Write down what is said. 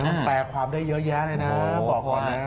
มันแปลความได้เยอะแยะเลยนะบอกก่อนนะ